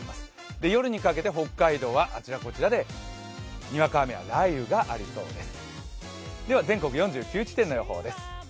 夜にかけて北海道はあちらこちらでにわか雨や雷雨がある予想です。